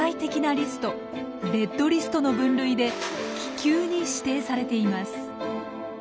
レッドリストの分類で「危急」に指定されています。